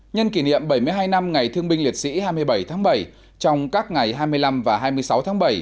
nhân kỷ niệm bảy mươi hai năm ngày thương binh liệt sĩ hai mươi bảy tháng bảy trong các ngày hai mươi năm và hai mươi sáu tháng bảy